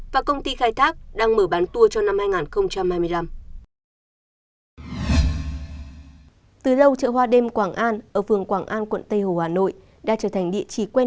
và công ty khai thác đang mở bán tour cho năm hai nghìn hai mươi năm